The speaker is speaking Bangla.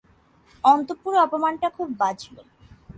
অন্তঃপুরে অপমানটা খুব বাজল।